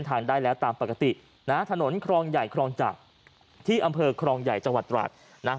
ทางได้แล้วตามปกตินะถนนครองใหญ่ครองจักรที่อำเภอครองใหญ่จังหวัดตราดนะ